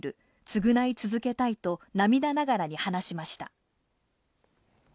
償い続けたいと涙ながらに話しました。